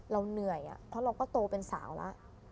เราเหนื่อยเพราะเราก็โตเป็นสาวแล้ว